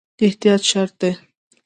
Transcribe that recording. احتیاط شرط دی